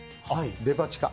デパ地下。